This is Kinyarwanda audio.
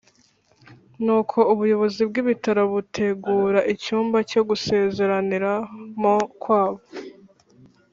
nuko ubuyobozi bw’ibitaro butegura icyumba cyo gusezeraniramo kwabo,